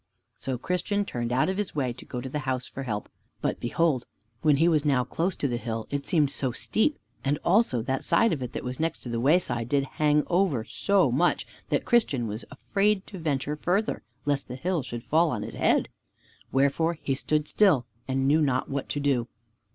So Christian turned out of his way to go to the house for help. But behold, when he was now close to the hill, it seemed so steep, and also that side of it that was next the wayside did hang so much over, that Christian was afraid to venture farther, lest the hill should fall on his head. Wherefore he stood still, and knew not what to do.